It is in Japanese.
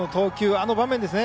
あの場面ですね